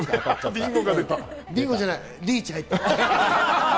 ビンゴじゃない、リーチ入った。